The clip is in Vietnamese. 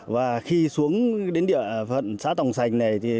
và khi xuống đến địa phận xã tòng sành